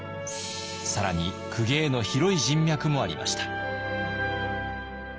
更に公家への広い人脈もありました。